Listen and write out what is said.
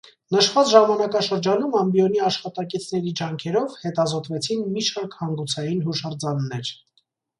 Նշված ժամանակաշրջանում ամբիոնի աշխատակիցների ջանքերով հետազոտվեցին մի շարք հանգուցային հուշարձաններ։